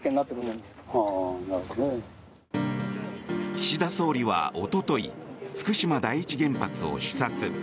岸田総理はおととい福島第一原発を視察。